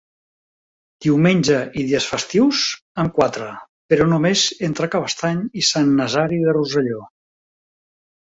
Diumenge i dies festius, amb quatre, però només entre Cabestany i Sant Nazari de Rosselló.